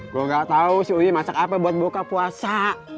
gue gak tahu si uyuy masak apa buat buka puasa